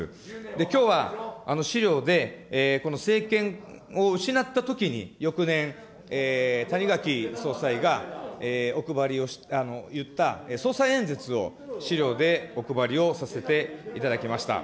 きょうは資料でこの政権を失ったときに、翌年、谷垣総裁がお配りを、言った、総裁演説を資料でお配りをさせていただきました。